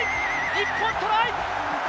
日本トライ！